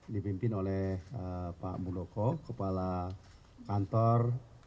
dipimpin oleh pak muldoko kepala kantor